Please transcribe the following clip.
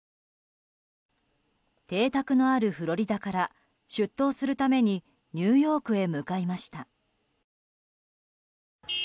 邸宅のあるフロリダから出頭するためにニューヨークへ向かいました。